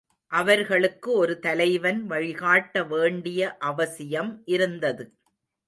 அவர்களுக்கு ஒரு தலைவன் வழிகாட்ட வேண்டிய அவசியம் இருந்தது.